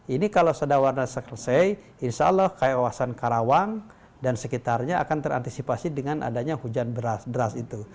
ini kalau sadawarna selesai insya allah kaya awasan karawang dan sekitarnya akan terantisipasi dengan adanya hujan beras itu